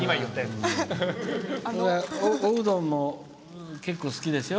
おうどんも、結構、好きですよ。